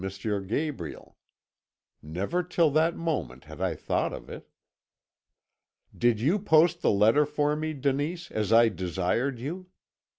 Gabriel. Never till that moment had I thought of it. "'Did you post the letter for me, Denise, as I desired you?